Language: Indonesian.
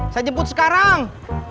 saya jemput sekarang